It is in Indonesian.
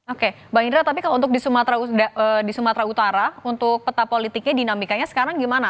oke bang indra tapi kalau untuk di sumatera utara untuk peta politiknya dinamikanya sekarang gimana